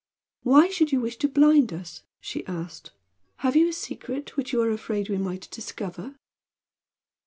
"Why should you wish to blind us?" she asked. "Have you a secret which you are afraid we might discover?"